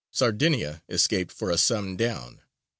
Sardinia escaped for a sum down.